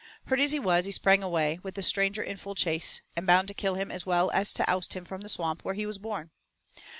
Hurt as he was, he sprang away, with the stranger in full chase, and bound to kill him as well as to oust him from the Swamp where he was born.